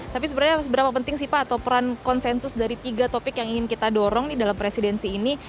tapi sebenarnya seberapa penting sih pak atau peran konsensus dari tiga topik yang ingin kita dorong dalam presidensi ini